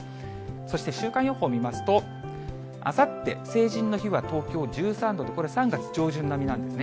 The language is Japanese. そして週間予報見ますと、あさって成人の日は東京１３度と、これ、３月上旬並みなんですね。